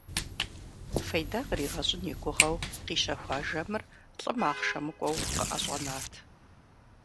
Фейдэ къригъэщӀын и гугъэу къищэхуа жэмыр лӀым ахъшэ мыкӀуэу къыӀэщӀэнат.